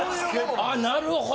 ああなるほど。